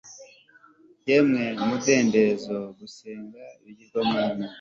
yemwe umudendezo! gusenga ibigirwamana